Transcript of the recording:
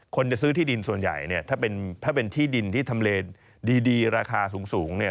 จะซื้อที่ดินส่วนใหญ่เนี่ยถ้าเป็นที่ดินที่ทำเลดีราคาสูงเนี่ย